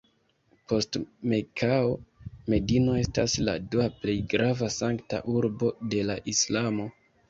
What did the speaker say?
Post Mekao, Medino estas la dua plej grava Sankta Urbo de la islamo.